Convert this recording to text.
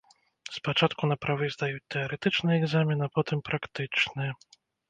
Спачатку на правы здаюць тэарэтычны экзамен, а потым практычны.